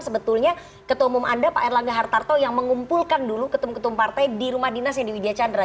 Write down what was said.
sebetulnya ketua umum anda pak erlangga hartarto yang mengumpulkan dulu ketum ketum partai di rumah dinasnya di widya chandra